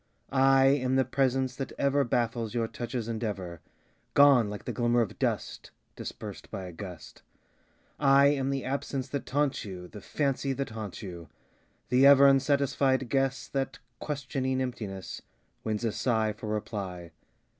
I am the presence that ever Baffles your touch's endeavor, Gone like the glimmer of dust Dispersed by a gust. I am the absence that taunts you, The fancy that haunts you; The ever unsatisfied guess That, questioning emptiness, Wins a sigh for reply.